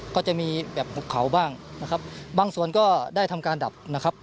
ก็จะมีแบบหุบเขาบ้างนะครับบางส่วนก็ได้ทำการดับนะครับ